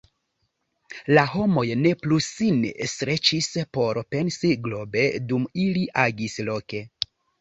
La homoj ne plu sin streĉis por pensi globe dum ili agis loke.